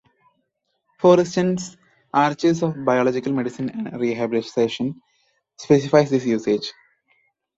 For instance, "Archives of biological Medicine and Rehabilitation" specifies this usage.